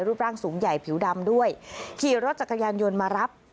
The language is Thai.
รูปร่างสูงใหญ่ผิวดำด้วยขี่รถจักรยานยนต์มารับ